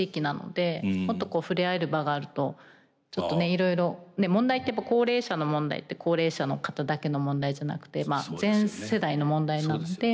ちょっとねいろいろ高齢者の問題って高齢者の方だけの問題じゃなくて全世代の問題なので。